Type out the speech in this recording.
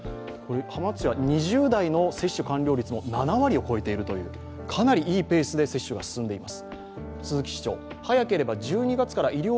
浜松市は２０代の接種完了率も７割を超えているというかなりいいペースで接種が進んでいます。